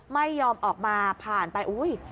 ไม่ยอมออกมาผ่านไปอุ้ย